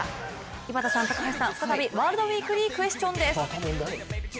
井端さん、高橋さん、再びワールドウィークリークエスチョンです。